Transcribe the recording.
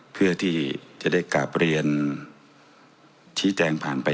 เพื่อที่จะได้กลับเรียนชี้แจงผ่านไป